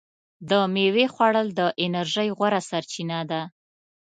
د میوې خوړل د انرژۍ غوره سرچینه ده.